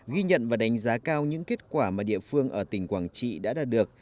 ghi nhận và đánh giá cao những kết quả mà địa phương ở tỉnh quảng trị đã đạt được